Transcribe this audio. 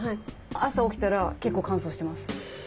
朝起きたら結構乾燥してます。